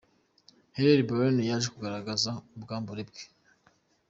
Hailey Baldwin yaje kugaragaza ubwambure bwe.